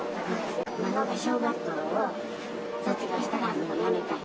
孫が小学校を卒業したらもうやめたい。